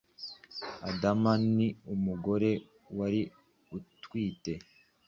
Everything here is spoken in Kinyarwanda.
adama, ni umugore wari utwite,